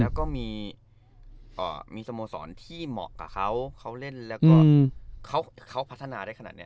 แล้วก็มีสโมสรที่เหมาะกับเขาเขาเล่นแล้วก็เขาพัฒนาได้ขนาดนี้